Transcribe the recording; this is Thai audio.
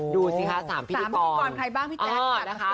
ดูสิคะ๓พิธีกรใครบ้างพี่แจ๊ค